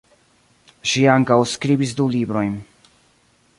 Ŝi ankaŭ skribis du librojn.